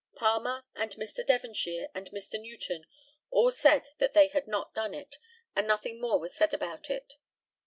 Palmer, and Mr. Devonshire, and Mr. Newton all said that they had not done it, and nothing more was said about it.